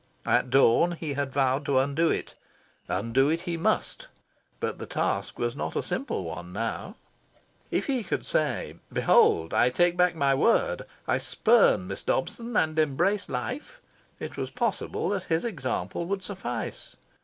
At dawn he had vowed to undo it. Undo it he must. But the task was not a simple one now. If he could say "Behold, I take back my word. I spurn Miss Dobson, and embrace life," it was possible that his example would suffice.